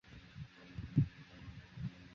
南长翼蝠为蝙蝠科长翼蝠属的动物。